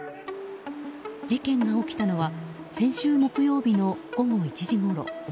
事件が起きたのは先週木曜日の午後１時ごろ。